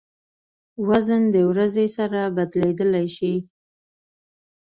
وزن د ورځې سره بدلېدای شي.